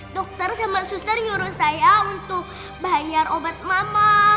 dokter sama suster nyuruh saya untuk bayar obat mama